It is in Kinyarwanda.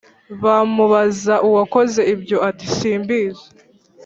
bamubaza uwakoze ibyo ati « simbizi.»